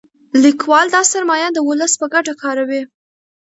لیکوال دا سرمایه د ولس په ګټه کاروي.